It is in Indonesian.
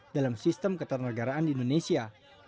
dalam sistem keternegaraan di indonesia